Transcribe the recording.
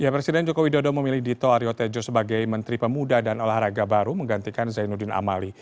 presiden joko widodo memilih dito aryo tejo sebagai menteri pemuda dan olahraga baru menggantikan zainuddin amali